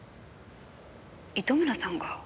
糸村さんが？